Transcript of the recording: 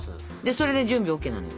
それで準備ＯＫなのよ。